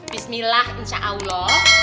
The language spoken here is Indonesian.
bismillah insya allah